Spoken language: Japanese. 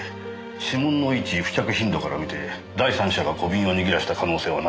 指紋の位置付着頻度からみて第三者が小瓶を握らせた可能性はないですね。